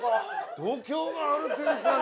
・度胸があるっていうかね！